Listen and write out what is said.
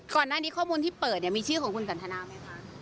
ก่อนหน้านี้ข้อมูลที่เปิดเนี่ยมีชื่อของคุณสันทนาไหมคะ